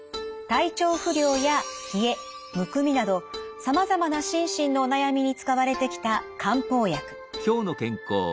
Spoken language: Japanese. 体調不良や冷えむくみなどさまざまな心身のお悩みに使われてきた漢方薬。